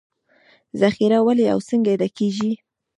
ذخیرې ولې او څنګه ډکېږي